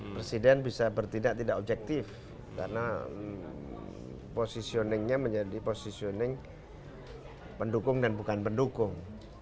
presiden bisa bertindak tidak objektif karena positioningnya menjadi positioning pendukung dan bukan pendukung